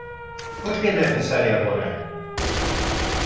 ¿Por que é necesaria agora?